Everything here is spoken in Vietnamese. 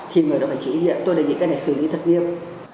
thì người ta phải chỉ hiện tôi đề nghị cái này xử lý thật nghiêm